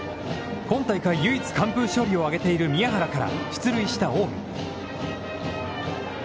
今大会唯一完封勝利を挙げている宮原から出塁した近江。